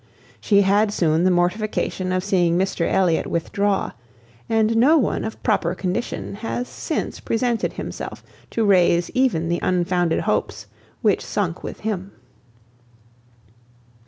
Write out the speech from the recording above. She had soon the mortification of seeing Mr Elliot withdraw, and no one of proper condition has since presented himself to raise even the unfounded hopes which sunk with him.